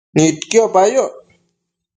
Nidquipa yoc